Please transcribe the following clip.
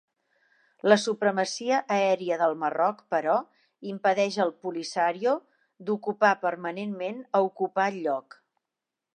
La supremacia aèria del Marroc, però, impedeix al Polisario d'ocupar permanentment a ocupar el lloc.